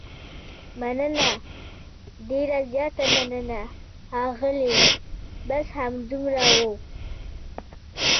مننه، ډېره زیاته مننه، اغلې، بس همدومره و.